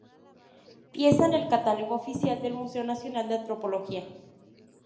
Pieza en el catálogo oficial del Museo Nacional de Antropología